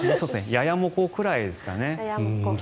ややモコくらいですかね。